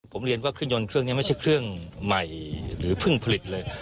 ผมเรียนว่าเครื่องยนต์เครื่องนี้ไม่ใช่เครื่องใหม่หรือเพิ่งผลิตเลย